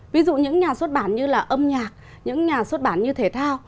ví dụ những nhà xuất bản như là âm nhạc những nhà xuất bản như thể thao